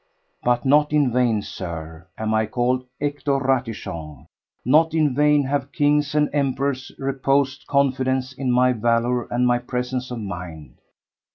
But not in vain, Sir, am I called Hector Ratichon; not in vain have kings and emperors reposed confidence in my valour and my presence of mind.